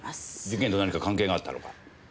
事件と何か関係があったのか？